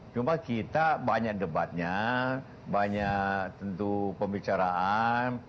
cuma kita banyak debatnya banyak tentu pembicaraan